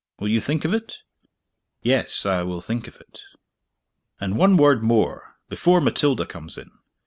Will you think of it?" "Yes; I will think of it." "And one word more, before Matilda comes in.